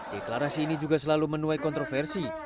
deklarasi ini juga selalu menuai kontroversi